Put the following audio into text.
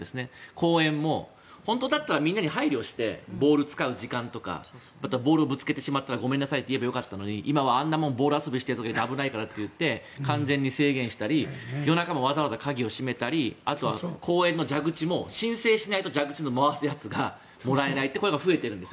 公園も本当だったらみんなに配慮をしてボールを使う時間とかボールをぶつけてしまったらごめんなさいと言えばよかったのに今はあんなもんボール遊びして危ないからって言って完全に制限したり夜中もわざわざ鍵を閉めたりあとは公園の蛇口も申請しないと蛇口の回すやつがもらえないという声が増えているんです。